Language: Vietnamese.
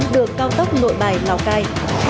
được cao tốc nội bài lào cai